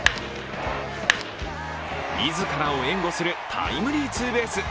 自らを援護するタイムリーツーベース。